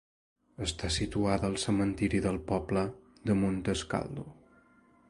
Està situada en el cementiri del poble de Montesclado.